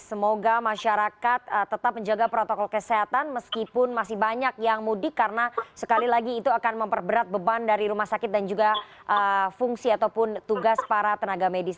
semoga masyarakat tetap menjaga protokol kesehatan meskipun masih banyak yang mudik karena sekali lagi itu akan memperberat beban dari rumah sakit dan juga fungsi ataupun tugas para tenaga medis